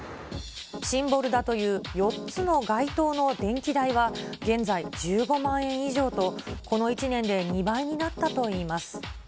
シンボルだという４つの街灯の電気代は、現在１５万円以上と、この１年で２倍になったといいます。